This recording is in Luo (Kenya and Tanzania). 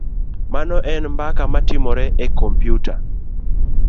Mano en mbaka matimore e kompyuta.